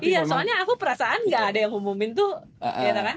iya soalnya aku perasaan gak ada yang ngumumin tuh